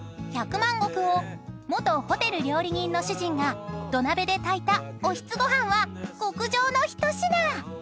まん穀を元ホテル料理人の主人が土鍋で炊いたおひつごはんは極上の一品］